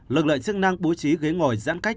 lực lượng chức năng bố trí ghế ngồi giãn cách